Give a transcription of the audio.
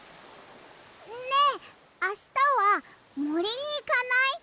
ねえあしたはもりにいかない？